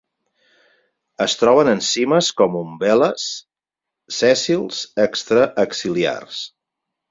Es troben en cimes com umbel·les, sèssils extraaxil·lars.